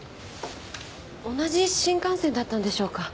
同じ新幹線だったんでしょうか？